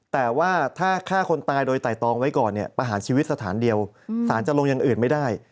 แต่ว่าถ้าฆ่าคนตายโดยไต่ตองไว้ก่อนเนี่ยประหารชีวิตสถานเดียวสารจะลงอย่างอื่นไม่ได้